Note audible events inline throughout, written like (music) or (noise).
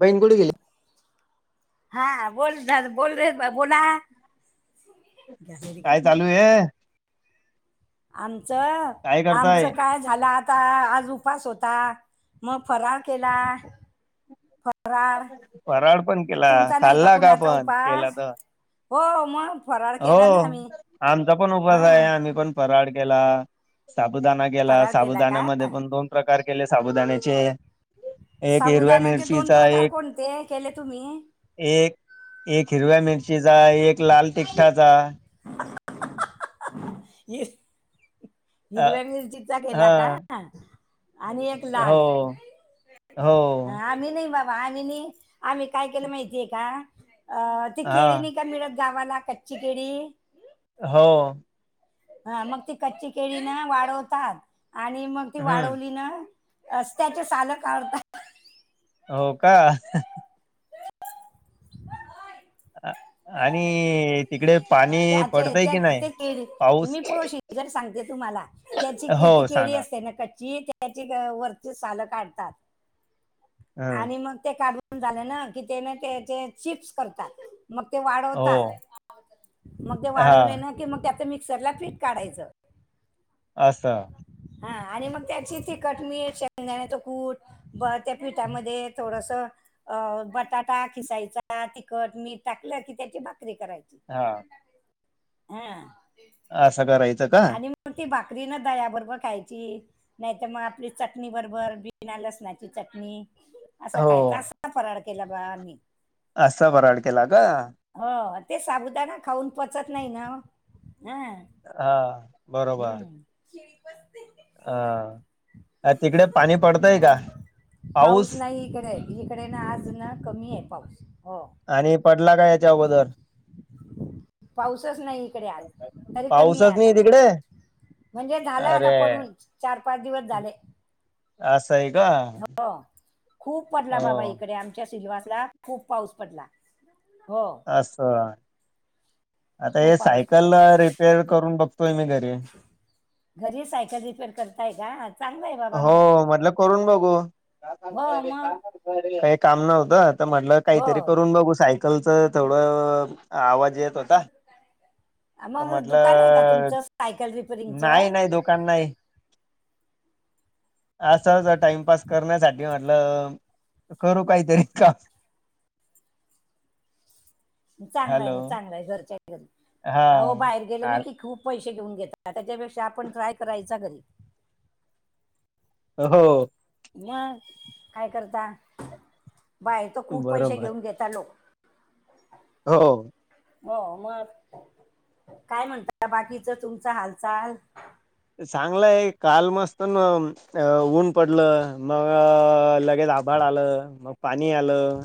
बहीण कुठे गेली? हा बोल दा बोल रे बोला. घ्यासारी घे. हे ऐ आमचं काय आमचं करताय? काय झाला आता आज उपास होता मग फराळ केला. फरार फराळ पण केला. तुमचा नाही का खाल्ला कुणाचा पण? केला उपास? तर. हो मग. फराळ हो केला ना आम्ही आमचा पण उपास आहं हा आम्ही पण फराळ केला. साबुदाणा केला फराळ का साबुदाण्यामध्ये पण दोन प्रकार केले साबुदाण्याचे. एक हिरव्या साबुदाण्याचे दोन मिरचीचा प्रकार एक कोणतं केले तुम्ही? एक एक हिरव्या मिरचीचा एक लाल तिखठाचा. (unintelligible) ये अ हिरव्या मिरचीचा केला का हा. आणि एक लाल? हो. हो. आम्ही नाही बाबा आम्ही नाही आम्ही काय केलं माहितीये का अ ती हा. केळी नाही का मिळत गावाला कच्ची केळी? हो. हा मग ती कच्ची केळी ना वाळवंतात आणि मग ती हम्म. वाळवलीना. अस्त्याची साल काढतात. हो का आणि तिकडे पाणी त्याचे पडतंय त्या की नाही? ते केळी पाऊस? मी प्रोसिजर सांगते तुम्हाला. त्याची के हो किती केळी सांगा. असते ना कच्ची त्याची वरची सालं काढतात. हं. आणि मग ते काढून झाले ना की त्यानं त्याचे चिप्स करतात. मग ते वाळवतात हो. मग ते वाळवले हां. ना की मग त्याचं मिक्सरला काढायचं. असं हा आणि मग त्याची तिखट मीठ शेदाण्याचं कूट बर मीठा मध्ये थोडसं अ बटाटा खिसायचा तिखट मीठ टाकलं की त्याची भाकरी करायची. हा हम्म असं करायचं का. हो ती भाकरी न दयाबरोबर खायची. नाही तर मग आपली चटणी बरोबर बिना लसणाची चटणी. असं खायचं हो. असा फरारल केला ब आम्ही. असा फराळ केला का? हो ते साबुदाणा खाऊन पचत नाही ना ह्अ. अ बरोबर. खिळी पचतंय. अ तिकडे पाणी पडतंय का? पाऊस नाही इकडे, इकडे ना आज ना कमी आहे पाऊस. हो आणि पडला का याच्या अगोदर पाऊसच नाई इकडे आज, तरी कमी आहे पाऊसच नाही आता तिकडे? म्हणजे झालं आता अरे! पडून, चार- पाच दिवस झाले. असं है का? हो.. खूप पडला बाबा हो. इकडे आमच्या सिल्वासला खूप पाऊस पडला. हो असं.. आता खूप हे पाऊस सायकल पडला रिपेअर करून बघतोय मी घरी घरी सायकल रिपेअर करताय का? चांगलं आहे बाबा मग हो.. म्हटलं करून बघू. हो मग काही काम नव्हतं तर म्हटलं काहीतरी हो करून बघू साय कलच तेवढं अ.. आवाज येत होता. मग म्हट.. दुकान आहे का लं तुमचं सायकल नाही.. रिपेअरिंगचं नाही.. दुकान नाही. असं.. अस टाइमपास करण्यासाठी म्हट.. लं करू काहीतरी काम. हं (unintelligible) चांगल आहे ना, चांगल आहे घरच्या घरी.. हा आ.. वो बाहेर गेलो ना की खूप पैसे घेऊन घेतात, त्याच्यापेक्षा आपण ट्राय करायचा घरी अ.. हो मग.. काय करता, बाहेर तर खूप पैसे बरोबर घेऊन घे ता.. लो हो.. हो.. हो, मग.. काय म्हणता बाकीच तुमच हालचाल? चांगलंय, काल मस्त न अ.. ऊन पड.. लं, म.. ग.. लगेच आभाळ आलं, मग पाणी आलं.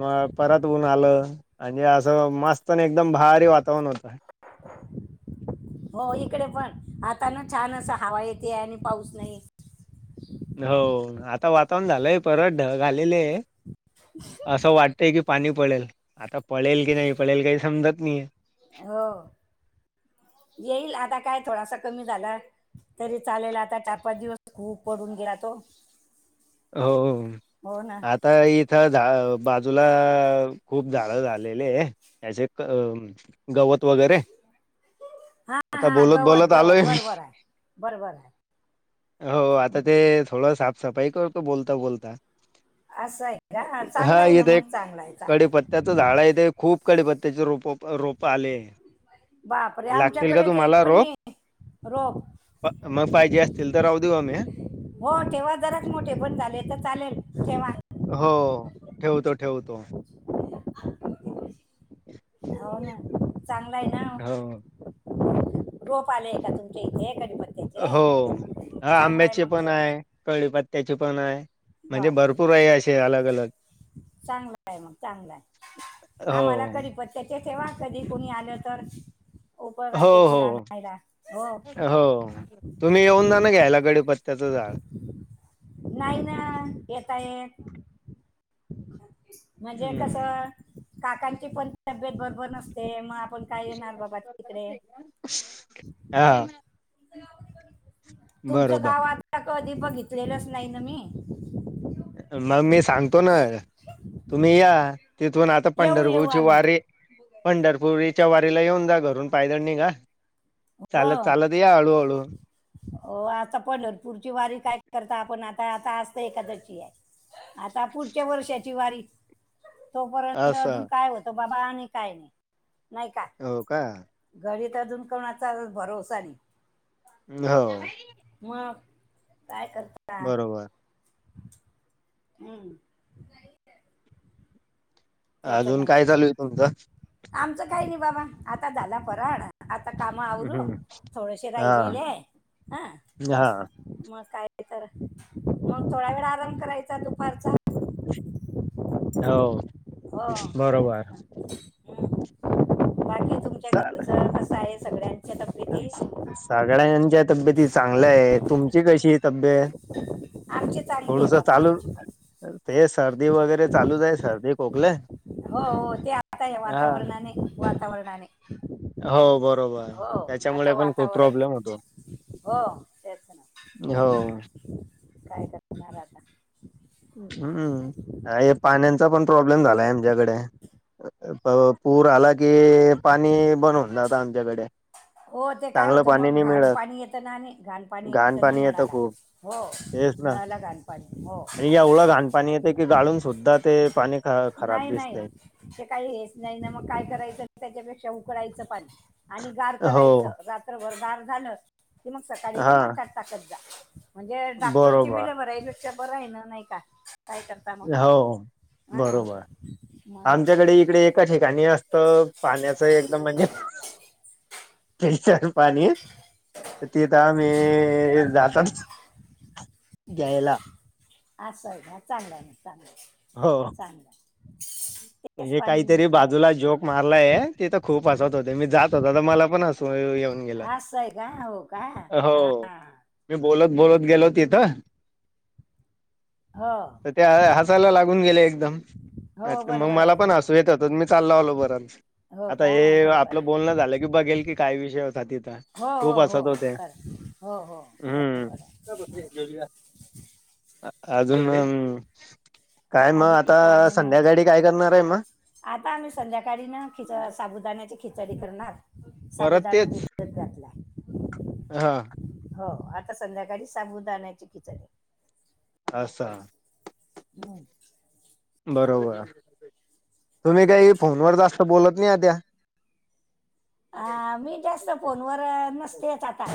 मग परत ऊन आलं आणि असं मस्त आणि एकदम भारी वातावरण होत. हा (unintelligible) हो इकडे पण, आता ना छान अस हवा येतीय आणि पाऊस नाही. हो.. आता वातावरण झालंय परत ढग आलेले, असं वाटत की पाणी पडेल, आता पळेल की नाही पळेल काही समजत नाहीये. हो.. येईल आता काय थोडासा कमी झाला. तरी चालेल आता चार- पाच दिवस खूप पडून गेला तो. हो.. हो ना आता इथं झा.. बाजूला आ.. खूप झाड झालेले, असेक गवत वगैरे.. हा आता हा बोलत.. गवत बोलत गवत आलोय मी बरोबर आहे बरोबर आहे हो.. आता ते.. थोडं साफ-सफाई करतो बोलता- बोलता असं आहे का? चांगलं आहे ना मग चांगला आहे.. चांगला आहे. त्याचं झाड ते खूप कडीपत्त्याचे रोप.. रोप.. पाले.. बापरे लागतील का आमच्याकडे ते एक तुम्हाला पण रोप? नाही रोप मग पाहिजे असतील तर राहू देऊ आम्ही हो ठेव्हा जराक मोठे पण झाले तर चालेल. ठेव्हा हो.. ठेवतो- ठेवतो. आहे (unintelligible) हो.. ना चांगल आहे ना, हो. रोप आलेय का तुमच्या इथे कडीपत्या? हो आंब्याचे पण ठेवा आहे कडी पत्त्याचे पण आहे. म्हणजे बापरे भरपूर आहे असे अलग अलग. चांगला आहे मग चांगला आहे हो आम्हाला कडीपत्त त्याचे ठेव्हा, कधी कोणी आलं तर हो उपयोगात येतील हो आनायला हो. हो तुम्ही येऊन जा ना घ्यायला कडीपत्त्याचं झाड. नाहीना येता येत, म्हणजे कस. हम्म. काकांची पण तब्येत बरोबर नसते, मग आपण. काय येणार बाबा तिकडे? हा तुमचं बरोबर. गाव आता कधी बघीतलेलंच नाही ना मी. मग मी सांगतो न, तुम्ही या तिथून आता येऊ येऊ पंढरपूरची आम्ही वारी. पंढरपूरीच्या वारीला येऊन जा घरून पयंदळीया निघा, चालत हो चालत या हळूहळू. हो आता पंढरपूरची वारी काय करता आपण आता आता आत आज तर एखादशी आहे. आता पुढच्या वर्षाची वारी. तोपर्यंत अजून असं काय होत बाबा आणि काय नाही, नाही का हो का? घरी तर अजून कोणाचाल भरोवसा नई. हो. मग काय करता? बरोबर. हम्म. त्याचं अजून ना काय चालू आहे तुमचं? आमचं काही नाही बाबा आता झाला फराळ. आता काम आवरू, हम्म थोडेसे हा राहिले आहे ह. हा मग काय तर, मग थोडा वेळा आराम करायचा दुपारचा. हॅलो. हो का ना. हम्म बाकी तुमच्या घरच कसं आहे सगळ्यान. सगळ यांच्या तब्येत चांगलं आहे तुमची कशी? तब्येत आमची चांगली आहे थोडस बाबा चालू. आमची पण ते सर्दी वगैरे चालूच आहे सर्दी खोकले. हो हो ते आताय हा वातावरणाने वातावरणाने. हो बरोबर, हो आता त्याच्यामुळे पण खूप वातावरण प्रॉब्लेम होतो. हो तेच हो ना, काय करणार आता? हम्म, काय हे पाण्याचा पण प्रॉब्लेम झालाय आमच्याकडे. भरपूर आला की पाणी भरून जाता आमच्याकडे. हो ते काय चांगलं होतं पाणी मग नाही घाण मिळत पाणी येतं ना आणि घाण पाणी घाण येतं ना पाणी नळाला. खूप हो तेच ना नळाला घाण. पाणी हो. आणि एवढं घाणपाणी येते की गाळून सुद्धा ते पाणी. ख खराब नाही नाही दिसतय ते काही हेच नाही ना मग काय करायचं त्याच्यापेक्षा उकडायचं पाणी. आणि गार हो करायचं, रात्रभर गार झालं की मग सकाळी ते हा माठात टाकत जा. म्हणजे डॉक्टरची बरोबर बिलं, भरायपेक्षा बरं आहे ना नाही का काय कर. हो बरोबर मग आमच्याकडे इकडे एका ठिकाणी अस तर पाण्याच एकदम म्हणजे, तेन चार पाणी तिथं आमी जातात घ्यायला. असंय का चांगलंय ना हो चांगलं चांगलं. तेच हे पाणी यूज काहीतरी बाजूला करायचं जोक मारलाय ते त खूप हसत होते मी जात होतो त मला पण हसं -सुय येऊन गेलं असं आहे का हो का हो. हां मी बोलत बोलत गेलो तिथं. हो त ते ह हसायला लागून गेले एकदम. हो मग बरोबर मला आहे पण हो हसू येत होतं त मी चालला आलो परंत हो आता का हे बरोबर आपलं आहे बोलणं झालं की बघेल की काय विषय होता तिथं. हो हो खूप हो हसत होते खरं हो हो बरं हम्म बरं. अजून हम्म. काय म अजून आता काय ना संध्याकाळी काय करणाराय म? आता आम्ही संध्याकाळी न साबुदाण्याची खिचडी करणार. परत साबुदाणा तेच भिजत घातलाय हा. हो आता संध्याकाळी साबुदाण्याची खिचडी. असा. हम्म. बरोबर तुम्ही काही तेच आहे. फोनवर जास्त बोलत नी आत्या. आ मी जास्त फोनवर नसतेच आता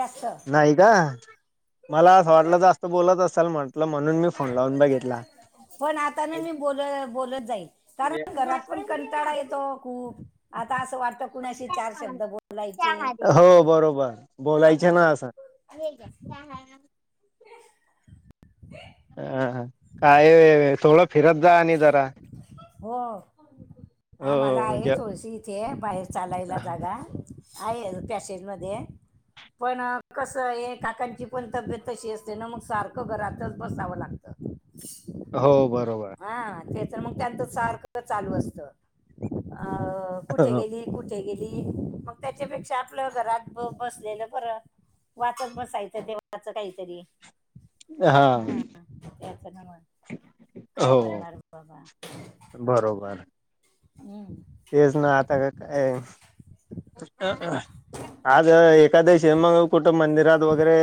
जास्त. नाही का मला असं वाटलं जास्त बोलत असाल म्हण -लं म्हणून मी फोन लावून बघितला. पण आता न मी बोल बोलत जाईल कारण घरात पण कंटाळा येतो खूप. आता असं वाटतं कुणाशी चार शब्द बोलायचे? हो बरोबर. बोलाय -चेना असं. हा हा हं हं काय थोडं फिरत जा आणि जरा. आमाला हो आहे ज थोडीशी इथे बाहेर चालायला जागा. आहे पॅसेज मध्ये. पण कसंये काकांची पण तब्येत तशी असते न मग सारखं घरातच बसावं लागतं. हो बरोबर हा ते तर मग त्यांचं सारख चालू असत, अ कुठे गेली. कुठे गेली, मग त्याच्यापेक्षा आपलं घरात ब बसलेलं बरं. वाचत बसायचं देवाचं काहीतरी, हा तेच ना मग. काय हो करणार बाबा. बरोबर. हम्. तेच ना आता का काय आज एकादशीये मग कूट मंदिरात वगैरे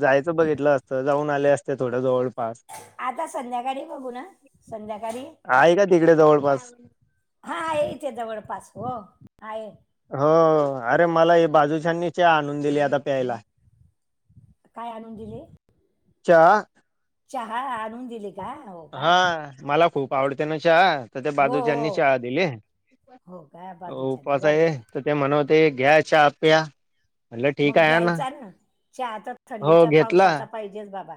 जायचं बघितलं असतं जाऊन आले असते थोडं जवळपास. आता संध्याकाळी बघू न संध्याकाळी‌. आहे का तिकडे जवळपास हा आहे इथे जवळपास हो आहे. हो अरे मला हे बाजूच्यानी चहा आणून दिली आता प्यायला. काय आणून दिले? चहा चहा आणून दिली का? हो का हा मला खूप आवडते ना चहा. तर त्या हो बाजूच्यानी हो चहा दिली हो का बाजूच्याने उपास आहे बरोबर तर ते म्हणत होते घ्या च्या प्या. म्हटलं ठीक मग आहे घ्यायचा ना चहा तर हो थंडीचा घेतला पावसाचा पाहिजेच बाबा.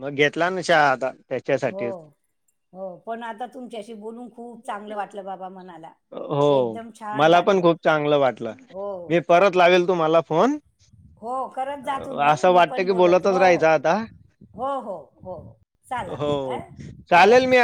मग घेतला ना चहा आता, हो त्याच्यासाठीच हो पण आता तुमच्याशी बोलून, खूप चांगलं वाटलं बाबा मनाला. हो एकदम छान मला पण वाटलं खूप चांगलं वाटलं, हो मी परत लावेल तुम्हाला फोन. हो करत जा तुम्ही असं मी वाटत पण की बोलत जा, बोलतच हो राहायचं हो. आता हो हो हो, चाला मग हा हो चालेल मी बरं.